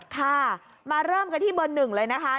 ค่ะมาเริ่มกันที่เบอร์๑เลยนะคะ